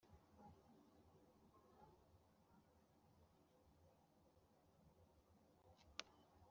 yashoboraga no guterura umukobwa bakabana